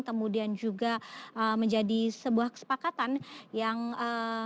kemudian juga menjadi sebuah pembahasan yang akan kita lakukan